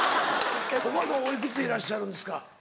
お母さんはおいくつでいらっしゃるんですか？